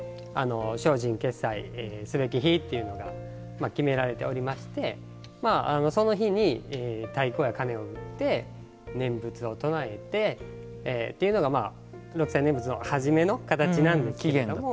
精進潔斎すべき日というのが決められておりましてその日に太鼓や鉦を打って念仏を唱えてというのが六斎念仏の初めの形なんです。